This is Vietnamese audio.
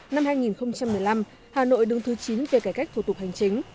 năm hai nghìn một mươi năm hà nội đứng thứ chín về cải cách thủ tục hành chính